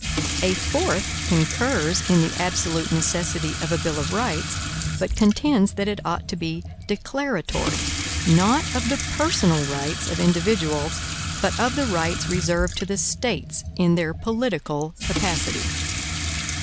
A fourth concurs in the absolute necessity of a bill of rights, but contends that it ought to be declaratory, not of the personal rights of individuals, but of the rights reserved to the States in their political capacity.